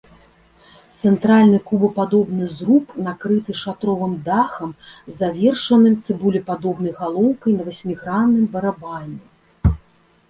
Цэнтральны кубападобны зруб накрыты шатровым дахам, завершаным цыбулепадобнай галоўкай на васьмігранным барабане.